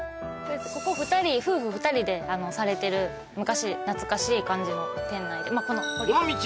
ここ夫婦２人でされてる昔懐かしい感じの店内でこの道